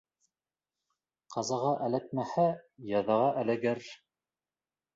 Ҡазаға эләкмәһә, язаға эләгер.